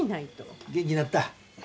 元気になった？